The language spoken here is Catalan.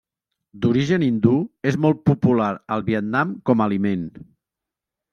D'origen hindú, és molt popular al Vietnam com a aliment.